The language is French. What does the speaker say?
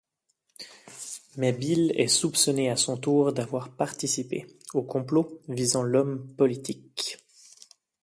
Mais Bill est soupçonné à son tour d'avoir participé au complot visant l'homme politique...